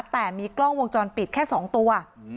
แต่มีกล้องวงจรปิดแค่๒ตัว